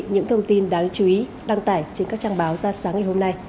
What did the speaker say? những thông tin đáng chú ý đăng tải trên các trang báo ra sáng ngày hôm nay